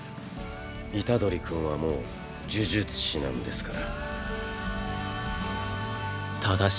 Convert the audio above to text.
虎杖君はもう呪術師なんですから。